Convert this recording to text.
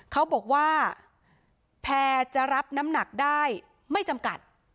เขาบอกว่าแพร่จะรับน้ำหนักได้ไม่จำกัด